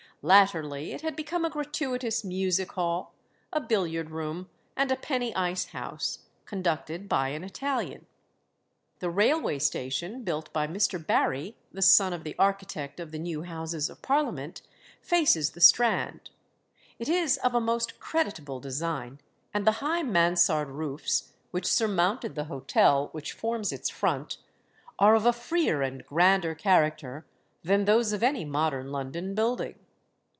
Latterly it had become a gratuitous music hall, a billiard room, and a penny ice house, conducted by an Italian. The railway station, built by Mr. Barry, the son of the architect of the New Houses of Parliament, faces the Strand. It is of a most creditable design, and the high Mansard roofs, which surmounted the hotel which forms its front, are of a freer and grander character than those of any modern London building.